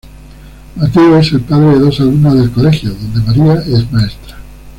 Mateo es el padre de dos alumnas del colegio donde María es maestra.